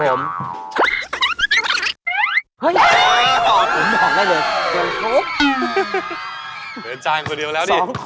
เดี๋ยวจานคนเดียวแล้วสิ